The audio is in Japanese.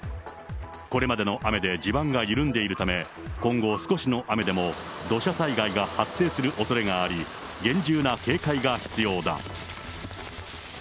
これまでの雨で地盤が緩んでいるため、今後、少しの雨でも土砂災害が発生するおそれがあり、厳重な警戒が必要だ。